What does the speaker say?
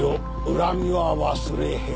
恨みは忘れへん」か。